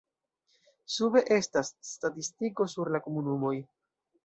Sube estas statistiko sur la komunumoj.